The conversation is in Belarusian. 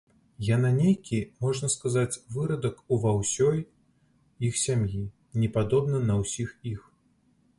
Яна нейкі, можна сказаць, вырадак ува ўсёй іх сям'і, не падобна на ўсіх іх.